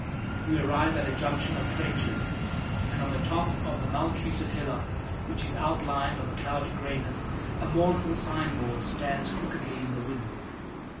We arrive at a junction of trenches, and on the top of the maltreated hillock which is outlined on the cloudy grayness, a mournful signboard stands crookedly in the wind.